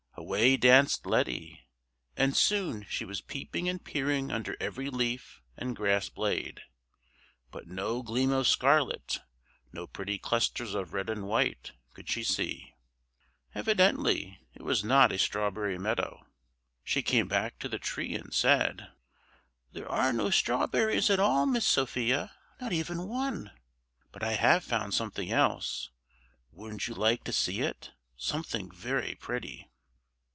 Away danced Letty, and soon she was peeping and peering under every leaf and grass blade; but no gleam of scarlet, no pretty clusters of red and white could she see. Evidently it was not a strawberry meadow. She came back to the tree, and said,— "There are no strawberries, at all, Miss Sophia, not even one. But I have found something else. Wouldn't you like to see it? Something very pretty."